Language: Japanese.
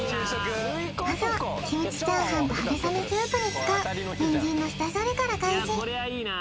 まずはキムチチャーハンと春雨スープに使うニンジンの下処理から開始